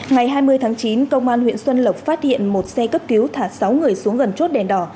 ngày hai mươi tháng chín công an huyện xuân lộc phát hiện một xe cấp cứu thả sáu người xuống gần chốt đèn đỏ